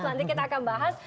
nanti kita akan bahas